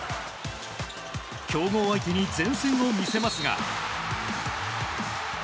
強豪相手に善戦を見せますが。